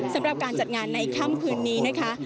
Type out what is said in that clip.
สำหรับการจัดงานในค่ำคืนนี้นะคะ